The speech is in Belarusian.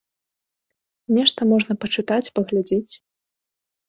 Нешта можна пачытаць, паглядзець.